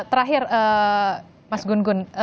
terakhir mas gun gun